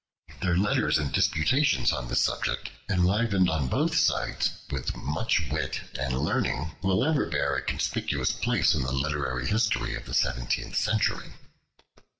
Their letters and disputations on this subject, enlivened on both sides with much wit and learning, will ever bear a conspicuous place in the literary history of the seventeenth century.